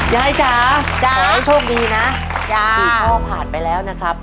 ยายจ๋าจ๋าหวังให้โชคดีนะจ๋าสี่ข้อผ่านไปแล้วนะครับ